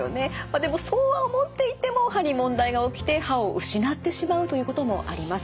でもそうは思っていても歯に問題が起きて歯を失ってしまうということもあります。